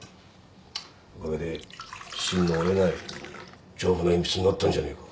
おかげで芯の折れない丈夫な鉛筆になったんじゃねえか。